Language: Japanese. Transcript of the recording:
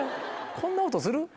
こんな音する？